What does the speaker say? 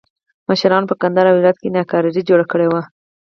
مشرانو په کندهار او هرات کې ناکراري جوړه کړې وه.